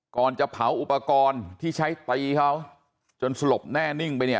ก่อนจะเผาอุปกรณ์ที่ใช้ตีเขาจนสลบแน่นิ่งไปเนี่ย